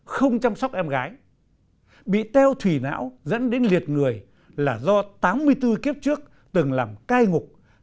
không chăm sóc em gái bị teo thủy não dẫn đến liệt người là do tám mươi bốn kiếp trước từng làm cai ngục